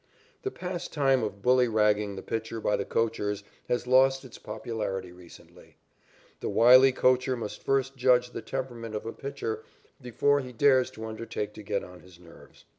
The pastime of bullyragging the pitcher by the coachers has lost its popularity recently. The wily coacher must first judge the temperament of a pitcher before he dares to undertake to get on his nerves.